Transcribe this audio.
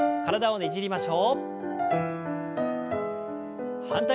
ねじりましょう。